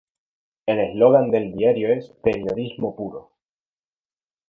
El eslogan del diario es "periodismo puro".